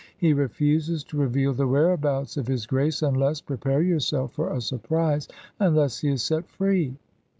He refuses to reveal the whereabouts of his Grace, unless prepare yourself for a surprise unless he is set free.